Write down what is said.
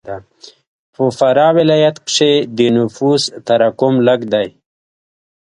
په فراه ولایت کښې د نفوس تراکم لږ دی.